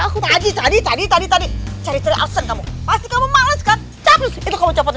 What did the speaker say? putri bantuin ibu dilepasin sepadunya putri